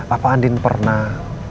apa andin pernah